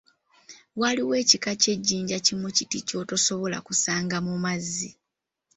Waliwo ekika ky'ejjinja kimu kiti ky'otosobola kusanga mu mazzi.